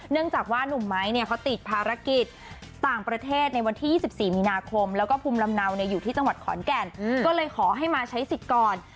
จากว่านุ่มไม้เนี่ยเขาติดภารกิจต่างประเทศในวันที่๒๔มีนาคมแล้วก็ภูมิลำเนาอยู่ที่จังหวัดขอนแก่นก็เลยขอให้มาใช้สิทธิ์ก่อน